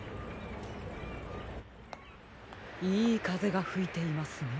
いいかぜがふいていますね。